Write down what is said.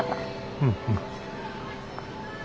うんうん。